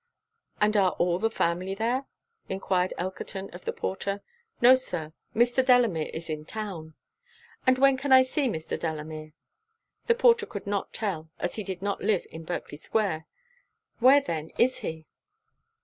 'And are all the family there?' enquired Elkerton of the porter. 'No, Sir; Mr. Delamere is in town.' 'And when can I see Mr. Delamere?' The porter could not tell, as he did not live in Berkley square. 'Where, then, is he?'